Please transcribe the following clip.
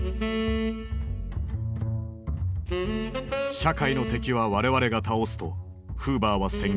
「社会の敵は我々が倒す」とフーバーは宣言。